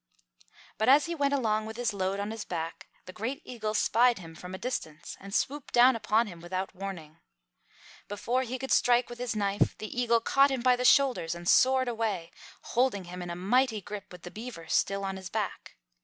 But as he went along with his load on his back the Great Eagle spied him from a distance and swooped down upon him without warning. Before he could strike with his knife, the Eagle caught him by the shoulders and soared away, holding him in a mighty grip with the beaver still on his back.